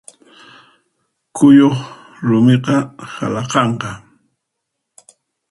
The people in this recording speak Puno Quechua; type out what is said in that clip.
Kuyuq rumiqa halaqanqa.